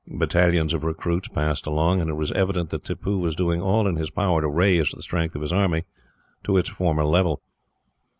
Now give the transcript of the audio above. Battalions of recruits passed along, and it was evident that Tippoo was doing all in his power to raise the strength of his army to its former level.